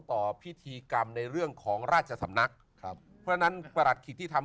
ต่อพิธีกรรมในเรื่องของราชสำนักครับเพราะฉะนั้นประหลัดขิตที่ทำ